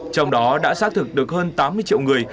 trong đó đã xác thực được hơn tám mươi triệu người